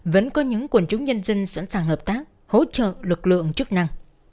vẫn có những quần chúng nhân dân sẵn sàng hợp tác hỗ trợ lực lượng chức năng